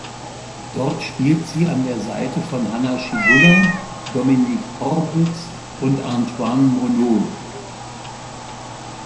Dort spielte sie an der Seite von Hanna Schygulla, Dominique Horwitz und Antoine Monot.